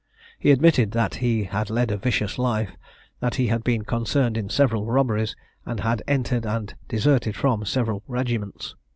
He admitted that he had led a vicious life, that he had been concerned in several robberies, and had entered and deserted from several regiments.